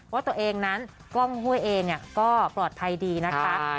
ว่าตัวเองนั้นกล้องห้วยเองก็ปลอดภัยดีนะคะ